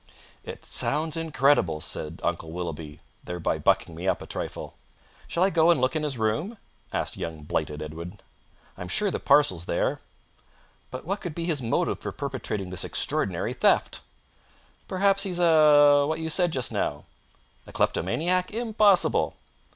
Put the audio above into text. "It sounds incredible," said Uncle Willoughby, thereby bucking me up a trifle. "Shall I go and look in his room?" asked young blighted Edwin. "I'm sure the parcel's there." "But what could be his motive for perpetrating this extraordinary theft?" "Perhaps he's a what you said just now." "A kleptomaniac? Impossible!"